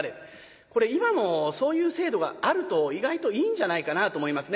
これ今もそういう制度があると意外といいんじゃないかなと思いますね。